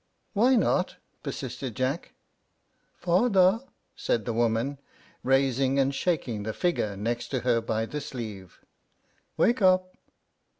"Why not?" persisted Jack. "Father," said the woman, rising and shaking the figure next to her by the sleeve, "Wake up!"